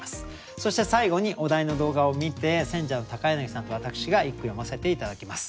そして最後にお題の動画を観て選者の柳さんと私が一句詠ませて頂きます。